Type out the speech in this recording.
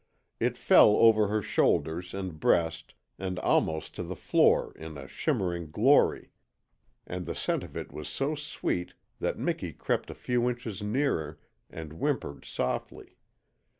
It fell over her shoulders and breast and almost to the floor in a shimmering glory, and the scent of it was so sweet that Miki crept a few inches nearer, and whimpered softly.